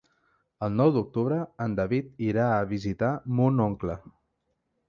El nou d'octubre en David irà a visitar mon oncle.